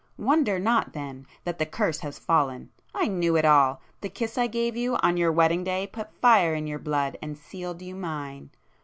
Wonder not then that the curse has fallen! I knew it all!—the kiss I gave you on your wedding day put fire in your blood and sealed you mine!